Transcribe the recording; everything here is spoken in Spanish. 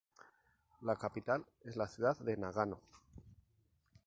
La capital es la ciudad de Nagano.